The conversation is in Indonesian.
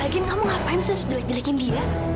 wih lagin kamu ngapain sih jelek jelekin dia